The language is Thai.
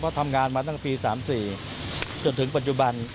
เพราะทำงานมาตั้งแต่ปี๓๔จนถึงปัจจุบัน